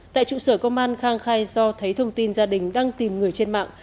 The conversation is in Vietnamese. tại trụ sở công an khang khai do thấy thông tin gia đình đang tìm người trên mạng